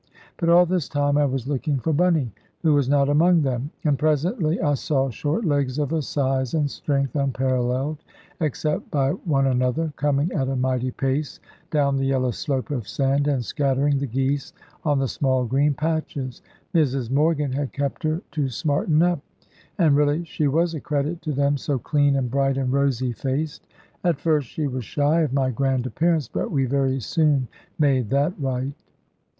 But all this time I was looking for Bunny, who was not among them; and presently I saw short legs of a size and strength unparalleled, except by one another, coming at a mighty pace down the yellow slope of sand, and scattering the geese on the small green patches. Mrs Morgan had kept her to smarten up, and really she was a credit to them, so clean, and bright, and rosy faced. At first she was shy of my grand appearance; but we very soon made that right.